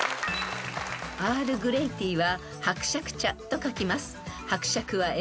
［アールグレイティーは「伯爵茶」と書きます］